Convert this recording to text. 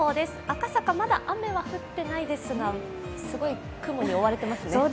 赤坂、まだ雨は降っていないですがすごい、雲に覆われてますね。